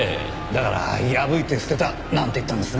だから「破いて捨てた」なんて言ったんですね。